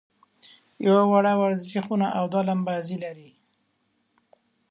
یوه وړه ورزشي خونه او دوه لمباځي لري.